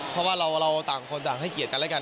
เพราะว่าเราต่างคนต่างให้เกียรติกันและกัน